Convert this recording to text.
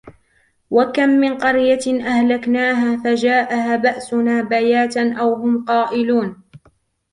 وكم من قرية أهلكناها فجاءها بأسنا بياتا أو هم قائلون